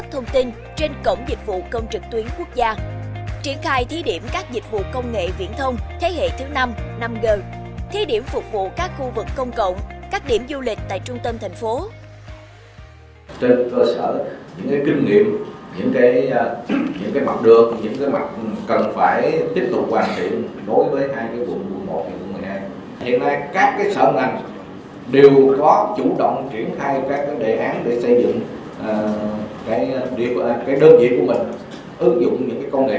hiện nay các sở ngành đều có chủ động triển khai các đề án để xây dựng đơn vị của mình